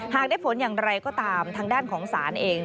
ได้ผลอย่างไรก็ตามทางด้านของศาลเอง